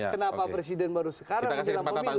kenapa presiden baru sekarang